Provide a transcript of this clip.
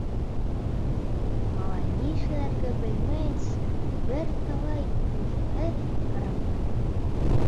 Малай нишләргә белмәйенсә бер талай һүҙһеҙ ҡарап торҙо.